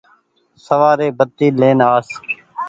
سوآري بتي لين آس ۔